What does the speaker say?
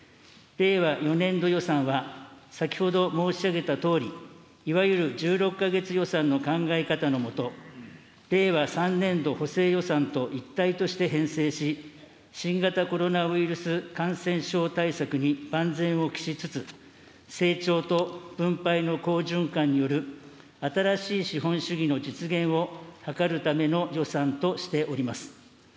令和４年度予算は、先ほど申し上げたとおり、いわゆる１６か月予算の考え方のもと、令和３年度補正予算と一体として編成し、新型コロナウイルス感染症対策に万全を期しつつ、成長と分配の好循環による新しい資本主義の実現を図るための予算としております。